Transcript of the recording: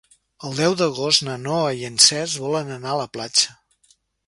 El deu d'agost na Noa i en Cesc volen anar a la platja.